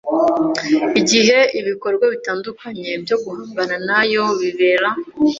igihe ibikorwa bitandukanye byo guhangana nayo bibera,